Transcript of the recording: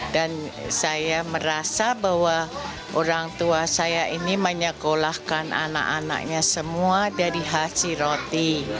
dan saya merasa bahwa orang tua saya ini menyekolahkan anak anaknya semua dari hasil roti